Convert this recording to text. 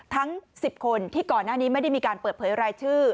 ทั้ง๑๐คนที่ก่อนหน้านี้ไม่ได้มีการเปิดเผยรายชื่อ